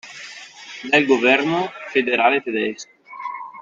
Del Governo Federale Tedesco.